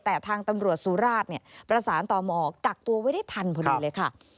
แต่ทางตำรวจสุราชเนี่ยประสานต่อมกักตัวไว้ได้ทันพอดีเลยค่ะ